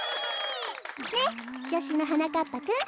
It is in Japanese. ねっじょしゅのはなかっぱくん。